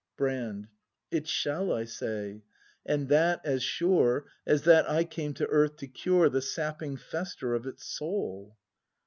Brand. It shall, I say, and that as sure As that I came to earth to cure The sapping fester of its soul.